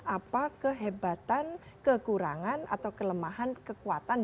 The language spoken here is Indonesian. apa kehebatan kekurangan atau kelemahan kekuatan